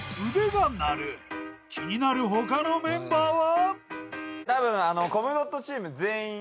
［気になる他のメンバーは？］